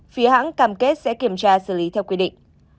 phía hãng cam kết sẽ kiểm tra xử lý theo quy định